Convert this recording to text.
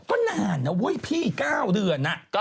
ก็นานนะเว้ยพี่๙เดือน